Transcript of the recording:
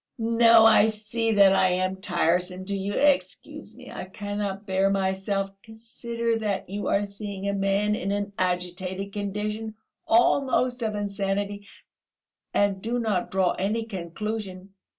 "No, I see that I am tiresome to you! Excuse me, I cannot bear myself; consider that you are seeing a man in an agitated condition, almost of insanity, and do not draw any conclusion...."